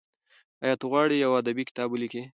ایا ته غواړې یو ادبي کتاب ولیکې؟